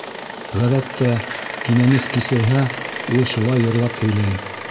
Ғәҙәттә, кинәнес кисерһә, ул шулай йырлап һөйләй.